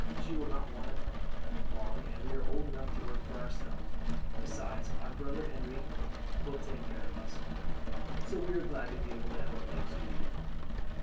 She will not want it long, and we are old enough to work for ourselves; besides, our brother Henri will take care of us. So we are glad to be able to help those who need it."